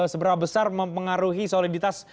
seberapa besar mempengaruhi soliditas